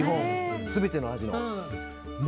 全ての味の。